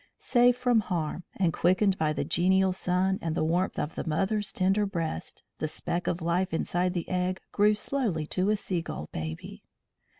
Safe from harm, and quickened by the genial sun and the warmth of the mother's tender breast, the speck of life inside the egg grew slowly to a seagull baby.